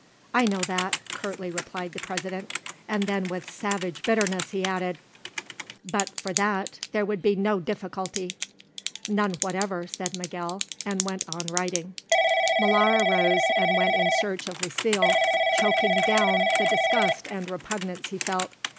"I know that," curtly replied the President, and then with savage bitterness he added: "but for that there would be no difficulty." "None whatever," said Miguel, and went on writing. Molara rose and went in search of Lucile, choking down the disgust and repugnance he felt.